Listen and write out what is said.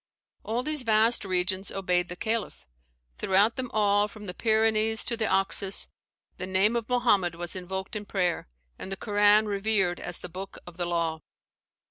All these vast regions obeyed the Caliph; throughout them all, from the Pyrenees to the Oxus, the name of Mohammed was invoked in prayer, and the Koran revered as the book of the law.